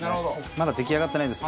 まだ出来上がってないです。